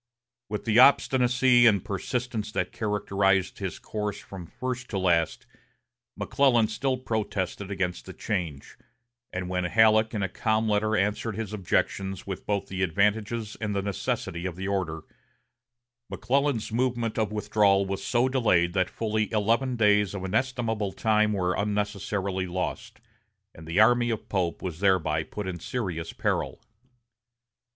With the obstinacy and persistence that characterized his course from first to last, McClellan still protested against the change, and when Halleck in a calm letter answered his objections with both the advantages and the necessity of the order, McClellan's movement of withdrawal was so delayed that fully eleven days of inestimable time were unnecessarily lost, and the army of Pope was thereby put in serious peril.